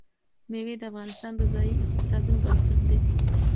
مېوې د افغانستان د ځایي اقتصادونو بنسټ دی.